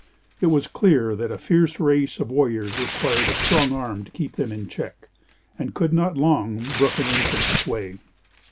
It was clear that a fierce race of warriors required a strong arm to keep them in check, and could not long brook an infant's sway.